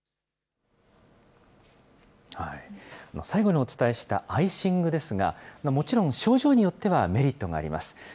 最後にお伝えしたアイシングですが、もちろん症状によってはメリットがあります。